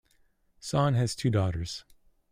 Sohn has two daughters.